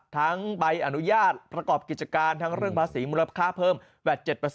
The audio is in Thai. ใบอนุญาตประกอบกิจการทั้งเรื่องภาษีมูลค่าเพิ่มแบบ๗